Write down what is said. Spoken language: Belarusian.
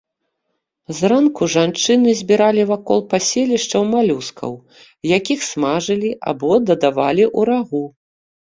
Зранку жанчыны збіралі вакол паселішчаў малюскаў, якіх смажылі, або дадавалі ў рагу.